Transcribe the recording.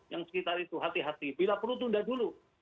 yang sekitar itu hati hati bila perlu tunda dulu